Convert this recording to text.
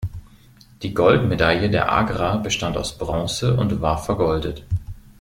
Die Goldmedaille der Agra bestand aus Bronze und war vergoldet.